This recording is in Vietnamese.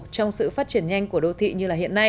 trong sự phát triển nhanh của đô thị như hiện nay